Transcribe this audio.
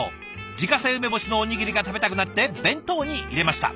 「自家製梅干しのおにぎりが食べたくなって弁当に入れました。